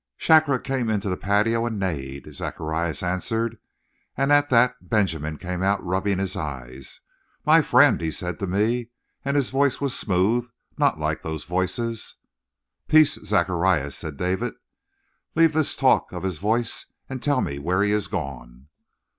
"Shakra came into the patio and neighed," Zacharias answered, "and at that Benjamin came out, rubbing his eyes. 'My friend,' said he to me, and his voice was smooth not like those voices " "Peace, Zacharias," said David. "Leave this talk of his voice and tell me where he is gone."